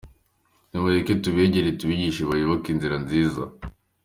Nimureke tubegere tubigishe bayoboke inzira nziza.